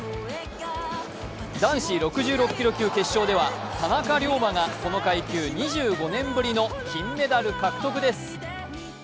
男子６６キロ級決勝では田中龍馬がこの階級、２５年ぶりの金メダル獲得です。